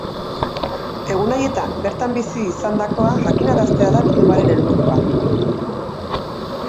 Egun haietan bertan bizi izandakoa jakin araztea da bildumaren helburua.